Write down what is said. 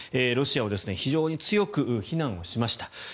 ロシアを非常に強く非難をしました。